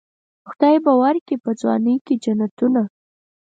خدای به ورکي په ځوانۍ کې جنتونه.